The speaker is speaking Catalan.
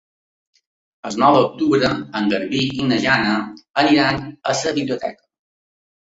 El nou d'octubre en Garbí i na Jana iran a la biblioteca.